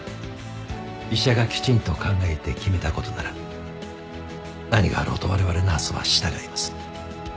医者がきちんと考えて決めた事なら何があろうと我々ナースは従います。